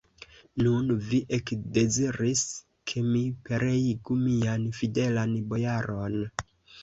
Nun vi ekdeziris, ke mi pereigu mian fidelan bojaron!